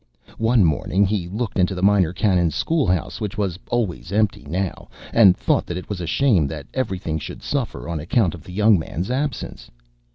One morning he looked into the Minor Canon's schoolhouse, which was always empty now, and thought that it was a shame that every thing should suffer on account of the young man's absence.